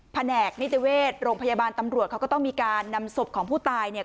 แผนกนิติเวชโรงพยาบาลตำรวจเขาก็ต้องมีการนำศพของผู้ตายเนี่ย